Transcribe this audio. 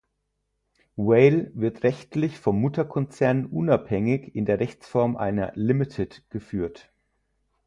Vale wird rechtlich vom Mutterkonzern unabhängig in der Rechtsform einer Limited geführt.